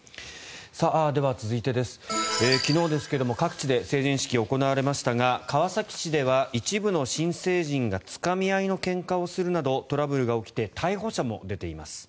では、続いて、昨日ですが各地で成人式が行われましたが川崎市では一部の新成人がつかみ合いのけんかをするなどトラブルが起きて逮捕者も出ています。